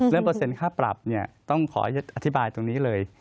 เปอร์เซ็นค่าปรับต้องขออธิบายตรงนี้เลย